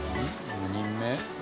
４人目？